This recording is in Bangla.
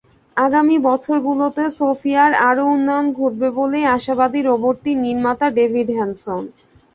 আগামী বছরগুলোতে সোফিয়ার আরও উন্নয়ন ঘটবে বলেই আশাবাদী রোবটটির নির্মাতা ডেভিড হ্যানসন।